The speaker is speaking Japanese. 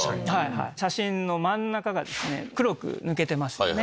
写真の真ん中が黒く抜けてますよね。